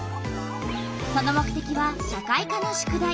その目てきは社会科の宿題。